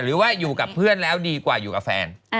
หรือว่าอยู่กับเพื่อนแล้วดีกว่าอยู่กับแฟน